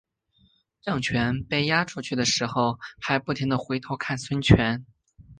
郑泉被押出去的时候还不停回头看孙权。